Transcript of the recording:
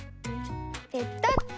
ペタッと！